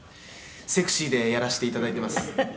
「セクシーでやらせていただいてます」